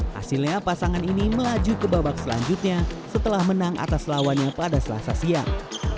hasilnya pasangan ini melaju ke babak selanjutnya setelah menang atas lawannya pada selasa siang